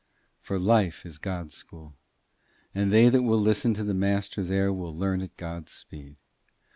For life is God's school, and they that will listen to the Master there will learn at God's speed.